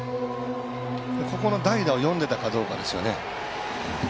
ここの代打を読んでたかどうかですね。